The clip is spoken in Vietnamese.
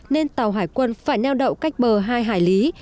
nên tàu hải quân phải neo đậu cách bờ hai hải lý